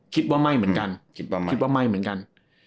คิดว่าไม่เหมือนกัน